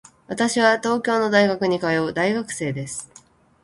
私は東京の大学に通う大学生です。